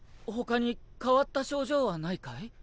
ほかに変わった症状はないかい？